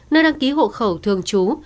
nơi đăng ký hộ khẩu thương chú